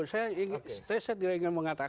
saya tidak ingin mengatakan